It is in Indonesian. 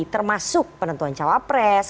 termasuk penentuan cawapres